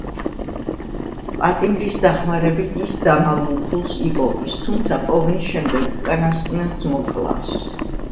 პატიმრის დახმარებით ის დამალულ ფულს იპოვის, თუმცა, პოვნის შემდეგ, უკანასკნელს მოკლავს.